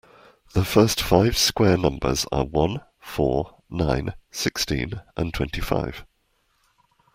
The first five square numbers are one, four, nine, sixteen and twenty-five